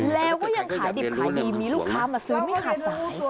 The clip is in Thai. แล้วก็ยังขายดิบขายดีมีลูกค้ามาซื้อไม่ขาดสาย